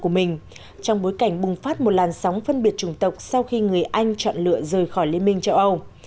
một làn sóng phân biệt chủng tộc sau khi người anh chọn lựa rời khỏi liên minh châu âu